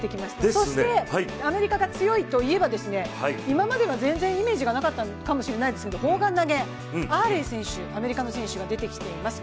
そしてアメリカが強いと言えば今までは全然イメージがなかったかもしれないですけど、砲丸投、アーレイ選手、アメリカの選手が出てきています。